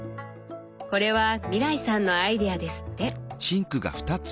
これは未來さんのアイデアですって。